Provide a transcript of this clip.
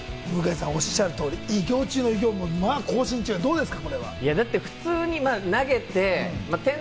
おっしゃる通り、偉業中の偉業を更新中、どうですか？